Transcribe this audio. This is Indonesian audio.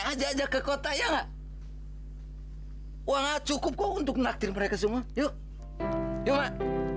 aja aja ke kota ya nggak hai uang cukup untuk menaktifkan mereka semua yuk yuk